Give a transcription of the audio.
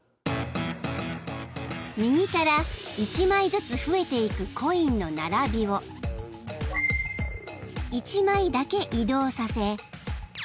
［右から１枚ずつ増えていくコインの並びを１枚だけ移動させ